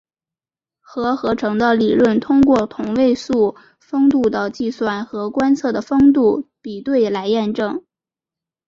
核合成的理论通过同位素丰度的计算和观测的丰度比对来验证。